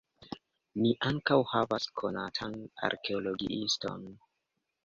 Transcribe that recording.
Ni ankaŭ havas konatan arkeologiiston.